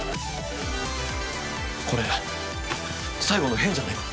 これ最後の変じゃないか？